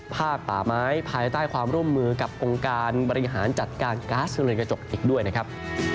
ป่าไม้ภายใต้ความร่วมมือกับองค์การบริหารจัดการก๊าซเรือนกระจกอีกด้วยนะครับ